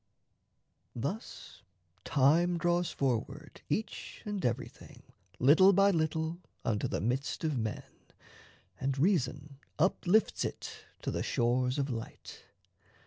Thus time draws forward each and everything Little by little unto the midst of men, And reason uplifts it to the shores of light.